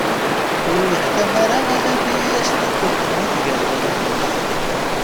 Ur yenneḥtam ara alammi i as-tuker lmut gar wallen-is.